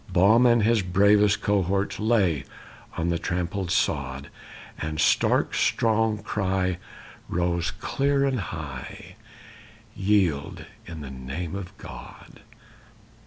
Baum and his bravest cohorts Lay on the trampled sod, And Stark's strong cry rose clear and high, "Yield in the name of God!"